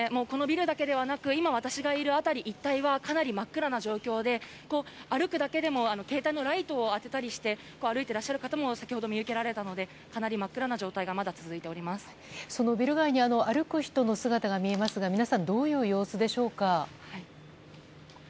このビルだけではなく今私がいる辺り一帯はかなり真っ暗な状況で歩くだけでも携帯のライトを当てたりして歩いている方も先ほど見受けられたのでかなり真っ暗な状態がビル街に歩く人の姿が見えますが、皆さんどういう様子でしょうか。